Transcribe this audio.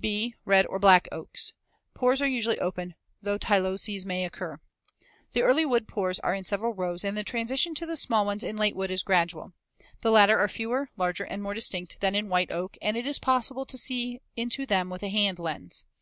(b) Red or black oaks. Pores are usually open though tyloses may occur, Fig. 147; the early wood pores are in several rows and the transition to the small ones in late wood is gradual. The latter are fewer, larger and more distinct than in white oak and it is possible to see into them with a hand lens.